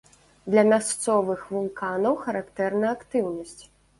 Для мясцовых вулканаў характэрна актыўнасць.